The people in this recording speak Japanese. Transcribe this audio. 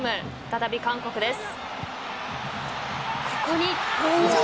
再び韓国です。